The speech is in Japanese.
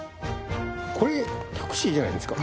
これタクシーじゃないですか？